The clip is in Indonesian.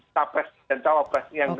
tapres dan tawapres yang